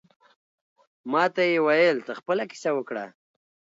ماته یې ویل ته خپله کیسه وکړه.